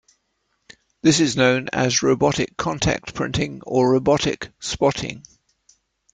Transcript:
This is known as robotic contact printing or robotic spotting.